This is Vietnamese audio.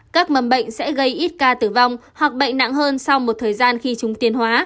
các mầm bệnh sẽ gây ít ca tử vong hoặc bệnh nặng hơn sau một thời gian khi chúng tiến hóa